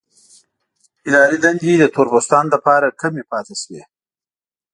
اداري دندې د تور پوستانو لپاره کمې پاتې شوې.